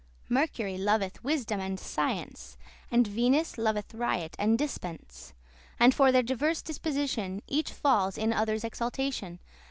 Mercury loveth wisdom and science, And Venus loveth riot and dispence.* *extravagance And for their diverse disposition, Each falls in other's exaltation.